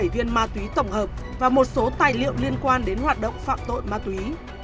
một mươi viên ma túy tổng hợp và một số tài liệu liên quan đến hoạt động phạm tội ma túy